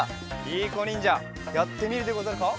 りいこにんじゃやってみるでござるか？